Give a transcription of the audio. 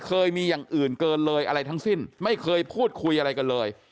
เคยมีอย่างอื่นเกินเลยอะไรทั้งสิ้นไม่เคยพูดคุยอะไรกันเลย